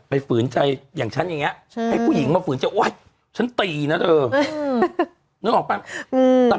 ฝืนใจอย่างฉันอย่างนี้ให้ผู้หญิงมาฝืนจะโอ๊ยฉันตีนะเธอนึกออกป่ะ